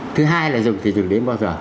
thứ hai là dừng thì dừng đến bao giờ